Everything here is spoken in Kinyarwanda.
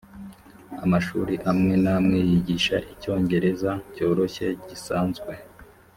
amashuri amwe n’amwe yigisha icyongereza cyoroshye gisanzwe